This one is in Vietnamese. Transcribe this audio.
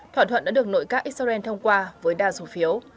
thỏa thuận đã được nội các israel thông qua với đa số phiếu